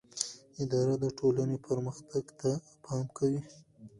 اداره د ټولنې پرمختګ ته پام کوي.